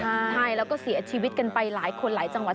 ใช่แล้วก็เสียชีวิตกันไปหลายคนหลายจังหวัด